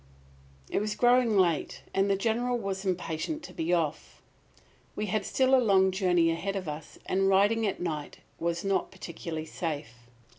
It was growing late and the General was impatient to be off. We had still a long journey ahead of us, and riding at night was not particularly safe.